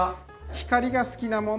光が好きなもの